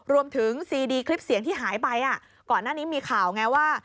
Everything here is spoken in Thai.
ซีดีคลิปเสียงที่หายไปก่อนหน้านี้มีข่าวไงว่า